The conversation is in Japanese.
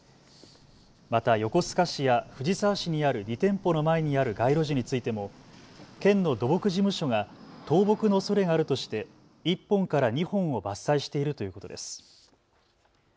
また横須賀市や藤沢市にある２店舗の前にある街路樹についても、県の土木事務所が倒木のおそれがあるとして１本から２本を伐採しているということです。